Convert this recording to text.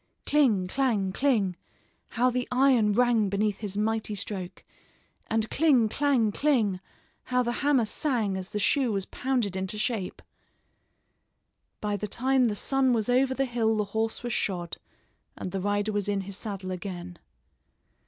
Cling, clang, cling! How the iron rang beneath his mighty stroke! And cling, clang, cling, how the hammer sang as the shoe was pounded into shape! By the time the sun was over the hill the horse was shod, and the rider was in his saddle again.